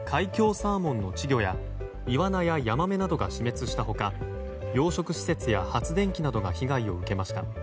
サーモンの稚魚やイワナやヤマメなどが死滅した他養殖施設や発電機などが被害を受けました。